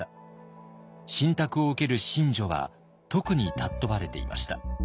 神託を受ける神女は特に尊ばれていました。